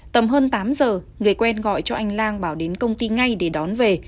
tầm hơn tám giờ người quen gọi cho anh lang bảo đến công ty ngay để đón về